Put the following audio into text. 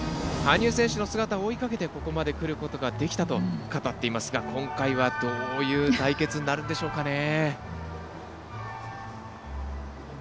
「羽生選手の姿を追いかけてここまでくることができた」と語っていますが今回はどういう対決になるんでしょうか。